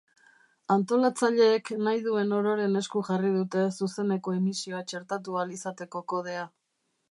Antolatzaileek nahi duen ororen esku jarri dute zuzeneko emisioa txertatu ahal izateko kodea.